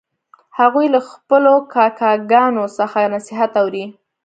هغوی له خپلو کاکاګانو څخه نصیحت اوري